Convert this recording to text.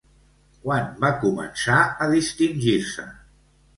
Quan va començar a distingir-se?